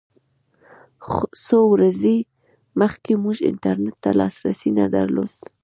څو ورځې مخکې موږ انټرنېټ ته لاسرسی نه درلود.